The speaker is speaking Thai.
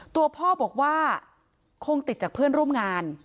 ตัวพ่อบอกว่าคงติดจากเพื่อนร่วมงาน